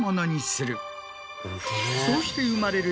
そうして生まれる。